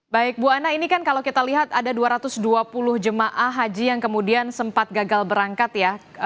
baik bu ana ini kan kalau kita lihat ada dua ratus dua puluh jemaah haji yang kemudian sempat gagal berangkat ya